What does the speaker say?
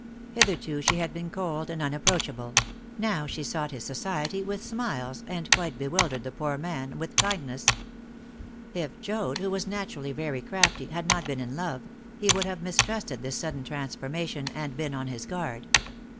Hitherto she had been cold and unapproachable; now she sought his society with smiles, and quite bewildered the poor man with kindness. If Joad, who was naturally very crafty, had not been in love, he would have mistrusted this sudden transformation and been on his guard.